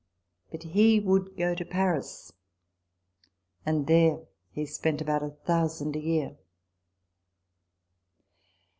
But he would go to Paris ; and there he spent about a thousand a year.